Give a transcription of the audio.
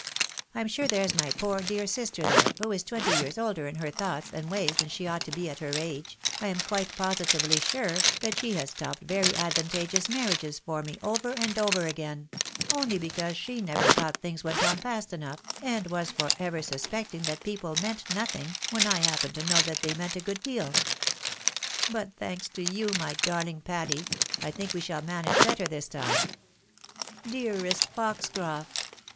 I'm sure, there's my poor, dear sister there, who is twenty years older in hef k2 276 THE WIDOW MAEEIED. thoughts and ways than she ought to be at her age, I am quite positively sure that she has stopped very advantageous marriages for me, over and over again ; only because she never thought things went on fast enough, and was for ever suspecting that people meant nothing, when I happened to know that they meant a good deal. But, thanks to you, my darling Patty, I think we shall manage better this time. Dearest Foxcroft